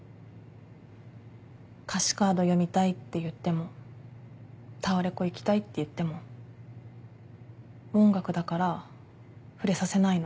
歌詞カード読みたいって言ってもタワレコ行きたいって言っても音楽だから触れさせないの？